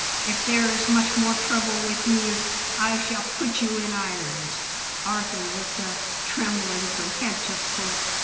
If there is much more trouble with you, I shall put you in irons." Arthur looked up, trembling from head to foot.